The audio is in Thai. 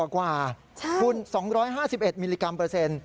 กว่าคุณ๒๕๑มิลลิกรัมเปอร์เซ็นต์